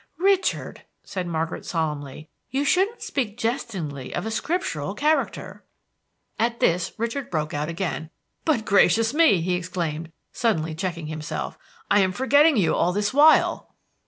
"Richard," said Margaret solemnly, "you shouldn't speak jestingly of a scriptural character." At this Richard broke out again. "But gracious me!" he exclaimed, suddenly checking himself. "I am forgetting you all this while!"